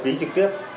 ký trực tiếp